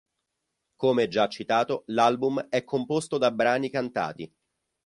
Come già citato, l'album è composto da brani cantati.